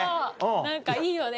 何かいいよね